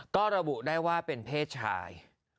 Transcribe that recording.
ก็ระบุได้ว่าเป็นเพศชาย